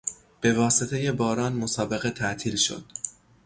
به واسطهی باران، مسابقه تعطیل شد.